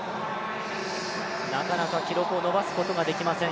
なかなか記録を伸ばすことができません。